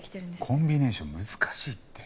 コンビネーションは難しいって。